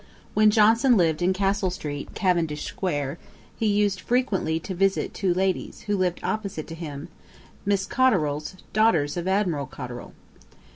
When Johnson lived in Castle street, Cavendish square, he used frequently to visit two ladies, who lived opposite to him, Miss Cotterells, daughters of Admiral Cotterell.